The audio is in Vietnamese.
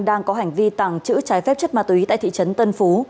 đang có hành vi tàng trữ trái phép chất ma túy tại thị trấn tân phú